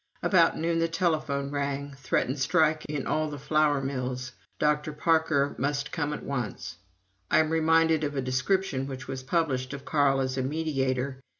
About noon the telephone rang threatened strike in all the flour mills; Dr. Parker must come at once. (I am reminded of a description which was published of Carl as a mediator.